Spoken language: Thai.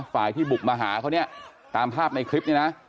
ฝ่ายที่บุกมาหาเค้าตามภาพในคลิป